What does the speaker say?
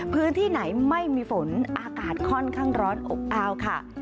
พื้นที่ไหนไม่มีฝนอากาศค่อนข้างร้อนอบอ้าวค่ะ